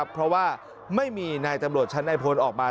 เพราะว่าไม่มีนายตำรวจชั้นในพลออกมา